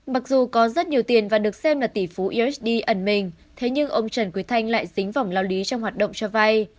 mặc dù có rất nhiều tiền và được xem là tỷ phú esdy ẩn mình thế nhưng ông trần quý thanh lại dính vòng lao lý trong hoạt động cho vay